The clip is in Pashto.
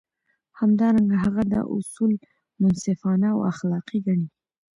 همدارنګه هغه دا اصول منصفانه او اخلاقي ګڼي.